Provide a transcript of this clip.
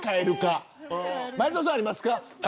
前園さんありますか。